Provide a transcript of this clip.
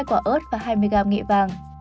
một hai quả ớt và hai mươi g nghệ vàng